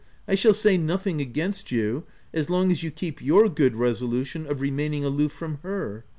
I shall say nothing against you, as long as you keep your good resolution of remaining aloof from her.